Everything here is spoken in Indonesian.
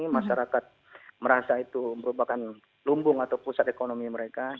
masyarakat merasa itu merupakan lumbung atau pusat ekonomi mereka